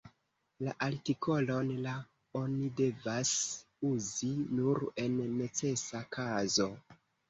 La artikolon "la" oni devas uzi nur en necesa kazo.